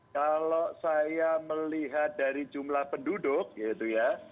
kalau saya melihat dari jumlah penduduk gitu ya